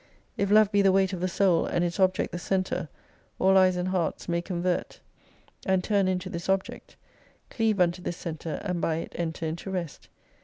If Love be the weight of the Soul, and its object the centre, all eyes and hearts may convert and turn unto this Object : cleave unto this centre, and by it enter into rest.